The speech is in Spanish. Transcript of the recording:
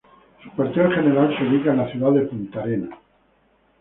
Su cuartel general se ubica en la ciudad de Punta Arenas.